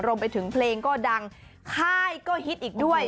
รวมไปถึงเพลงก็ดังค่ายก็ฮิตอีกด้วย